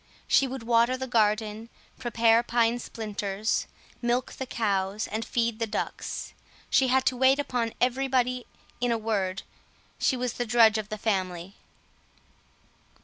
She would water the garden, prepare pine splinters, milk the cows, and feed the ducks; she had to wait upon everybody—in a word, she was the drudge of the family.